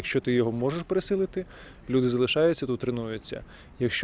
jika anda bisa memperkuatnya orang orang tinggal di sini untuk berlatih